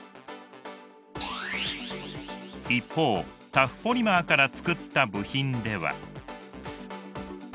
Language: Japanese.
一方タフポリマーから作った部品では。